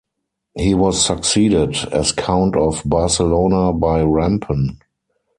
He was succeeded as Count of Barcelona by Rampon.